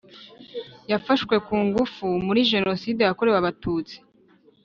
Yafashwe ku ngufu muri Jenoside yakorewe Abatutsi